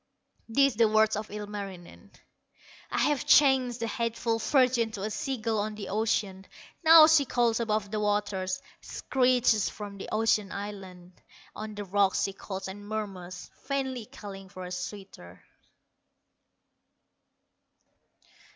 These the words of Ilmarinen: "I have changed the hateful virgin To a sea gull on the ocean; Now she calls above the waters, Screeches from the ocean islands; On the rocks she calls and murmurs, Vainly calling for a suitor."